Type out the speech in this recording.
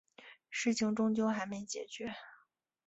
事情终究还没解决